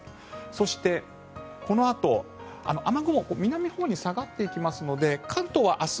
そして、このあと雨雲は南のほうに下がっていきますので関東は明日